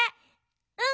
うん！